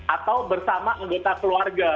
atau bersama anggota keluarga